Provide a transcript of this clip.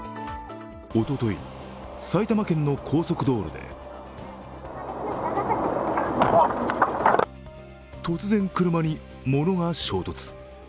おととい、埼玉県の高速道路で突然車にものが衝突。